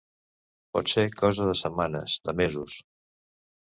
Potser cosa de setmanes, de mesos.